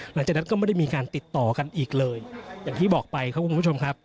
หลังจากนั้นก็ไม่ได้มีการติดต่อกันอีกเลยอย่างที่บอกไปครับคุณผู้ชมครับ